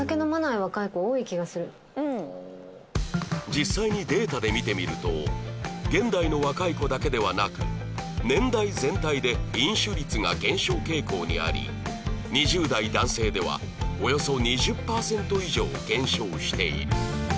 実際にデータで見てみると現代の若い子だけではなく年代全体で飲酒率が減少傾向にあり２０代男性ではおよそ２０パーセント以上減少している